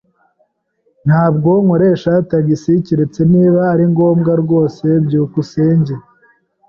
Ntabwo nkoresha tagisi keretse niba ari ngombwa rwose. byukusenge